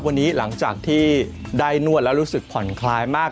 วันนี้หลังจากที่ได้นวดแล้วรู้สึกผ่อนคลายมาก